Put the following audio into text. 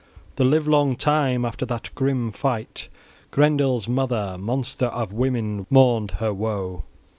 The livelong time after that grim fight, Grendel's mother, monster of women, mourned her woe.